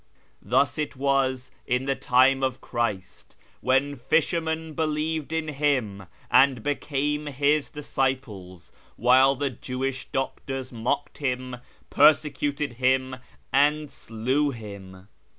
Thus it was in the time of Christ, when fishermen believed in Him and became His disciples, while the Jewish doctors mocked Him, persecuted Him, and slew Him.